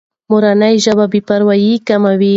مورنۍ ژبه بې پروایي کموي.